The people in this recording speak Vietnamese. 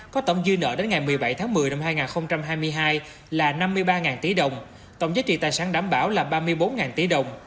có tổng dư nợ đến ngày một mươi bảy tháng một mươi năm hai nghìn hai mươi hai là năm mươi ba tỷ đồng tổng giá trị tài sản đảm bảo là ba mươi bốn tỷ đồng